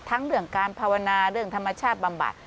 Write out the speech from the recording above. เรื่องการภาวนาเรื่องธรรมชาติบำบัด